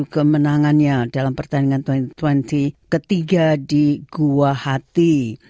tujuh kemenangannya dalam pertandingan dua ribu dua puluh ketiga di guwahati